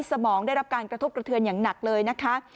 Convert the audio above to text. สมองได้รับการกระทบกระเทือนอย่างหนักเลยนะคะ